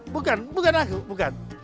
bukan bukan aku bukan